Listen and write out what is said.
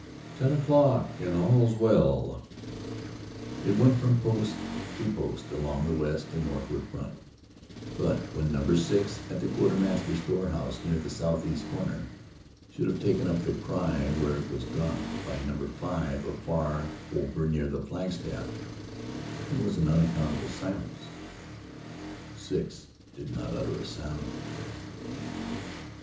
"Ten o'clock and all's well" it went from post to post along the west and northward front, but when Number Six, at the quartermaster's storehouse near the southeast corner, should have taken up the cry where it was dropped by Number Five, afar over near the flagstaff, there was unaccountable silence. Six did not utter a sound.